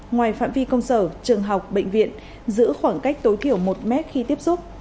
ngoài phạm vi công sở trường học bệnh viện giữ khoảng cách tối thiểu một mét khi tiếp xúc